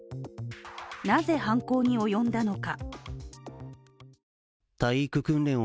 なぜ犯行に及んだのか。